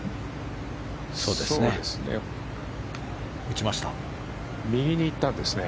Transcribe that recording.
そうですね。